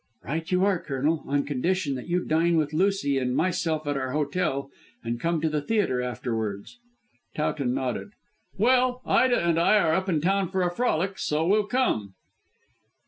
"Right you are, Colonel, on condition that you dine with Lucy and myself at our hotel and come to the theatre afterwards." Towton nodded. "Well, Ida and I are up in town for a frolic, so we'll come."